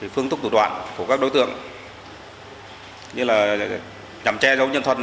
phương thức tổ đoạn của các đối tượng như là nhằm che dấu nhân thuật